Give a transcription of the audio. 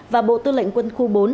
và bộ tư lệnh quân khu bốn